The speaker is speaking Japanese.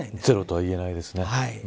ゼロとはいえないですね。